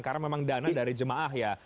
karena memang dana dari jemaah ya